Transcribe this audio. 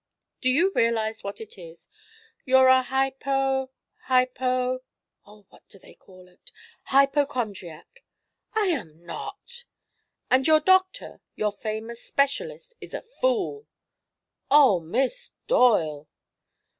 Do you realize what it is? You're a hypo hypo what do they call it? hypochondriac!" "I am not!" "And your doctor your famous specialist is a fool." "Oh, Miss Doyle!"